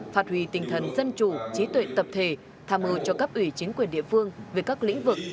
phạt hủy tinh thần dân chủ trí tuệ tập thể tham ưu cho các ủy chính quyền địa phương về các lĩnh vực